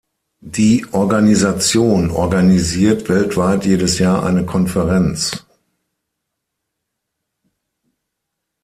Die Organisation organisiert weltweit jedes Jahr eine Konferenz:.